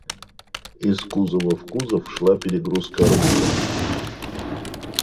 Из кузова в кузов шла перегрузка арбузов.